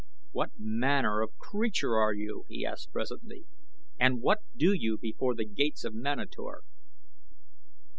"What manner of creature are you?" he asked presently. "And what do you before the gates of Manator?"